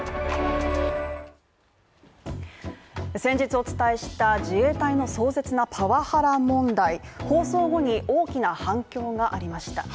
先日お伝えした自衛隊の壮絶なパワハラ問題、放送後に大きな反響がありました。